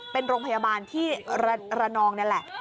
เป็นโรงพยาบาลที่ระนองนี่แหละ